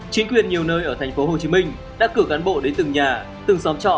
chính quyền nhiều nơi ở thành phố hồ chí minh đã cử cán bộ đến từng nhà từng xóm trọ